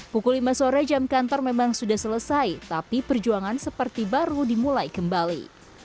pukul lima sore jam kantor memang sudah selesai tapi perjuangan seperti baru dimulai kembali